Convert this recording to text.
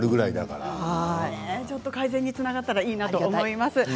自分たちも改善につながったらいいなと思います。